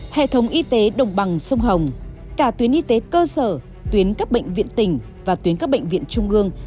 hệ thống y tế đồng bằng sông hồng cả tuyến y tế cơ sở tuyến các bệnh viện tỉnh và tuyến các bệnh viện trung ương